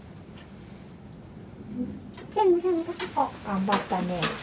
頑張ったね。